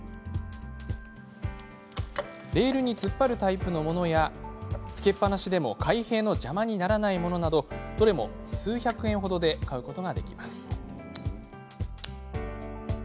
レールに突っ張るタイプのものやつけっぱなしでも開閉の邪魔にならないものなどどれも数百円程で買えます。